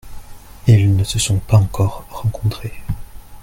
Ils ne se sont pas encore rencontrés.